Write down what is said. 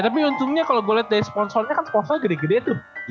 ya tapi untungnya kalo gue liat dari sponsornya kan sponsornya gede gede tuh